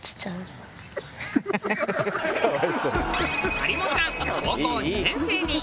まりもちゃん高校２年生に。